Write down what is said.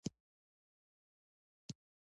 محبت مې د بادونو تر سیوري لاندې ښخ شو.